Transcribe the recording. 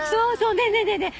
ねえねえねえねえ